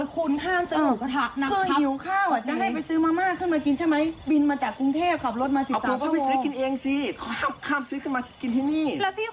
คุณผู้ชมอ่าการผักผ่อนทำไมคุณออกมา๖๘นี่